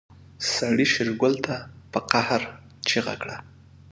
سړي شېرګل ته په قهر چيغه کړه.